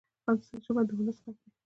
ژبه د ولس ږغ دی.